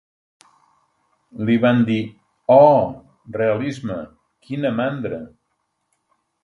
Li van dir "Oh, realisme, quina mandra".